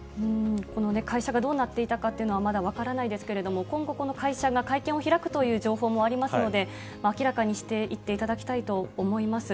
この会社がどうなっていたかというのは、まだ分からないですけれども、今後、この会社が会見を開くという情報もありますので、明らかにしていっていただきたいと思います。